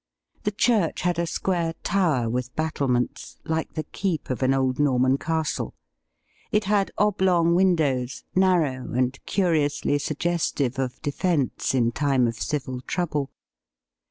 The church had a square tower with battlements, like the keep of an old Norman castle; it had oblong windows, narrow and curiously suggestive of defence in time of civil trouble.